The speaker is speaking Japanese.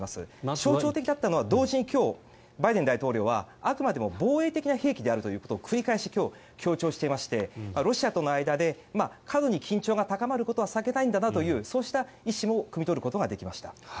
象徴的だったのは同時に今日、バイデン大統領はあくまでも防衛的な兵器であるということを繰り返し今日、強調していましてロシアとの間で過度に緊張が高まることは避けたいんだなというそうした意思も酌み取ることができました。